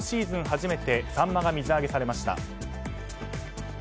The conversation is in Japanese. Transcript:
初めてサンマが水揚げされました。